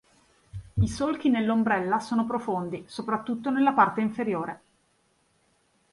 I solchi nell'ombrella sono profondi, soprattutto nella parte inferiore.